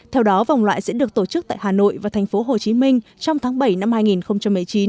theo đó vòng loại sẽ được tổ chức tại hà nội và thành phố hồ chí minh trong tháng bảy năm hai nghìn một mươi chín